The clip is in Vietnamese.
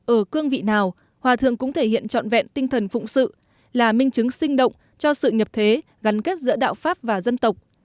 ở cương vị nào hòa thượng cũng thể hiện trọn vẹn tinh thần phụng sự là minh chứng sinh động cho sự nhập thế gắn kết giữa đạo pháp và dân tộc